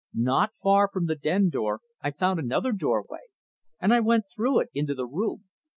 Not far from the den door I found another doorway, and I went through it into the room.